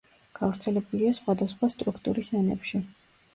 გავრცელებულია სხვადასხვა სტრუქტურის ენებში.